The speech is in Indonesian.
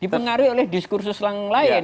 dipengaruhi oleh diskursus yang lain